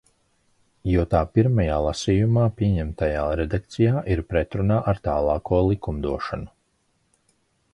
Jo tā pirmajā lasījumā pieņemtajā redakcijā ir pretrunā ar tālāko likumdošanu.